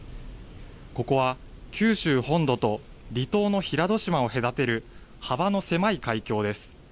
ここは九州本土と離島の平戸島を隔てる幅の狭い海峡です。